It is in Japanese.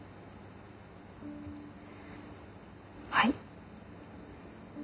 はい。